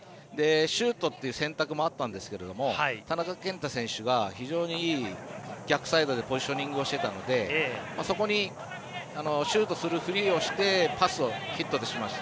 シュートって選択もあったんですが田中健太選手が非常にいい逆サイドでポジショニングをしてたのでそこにシュートするふりをしてパスをヒットしました。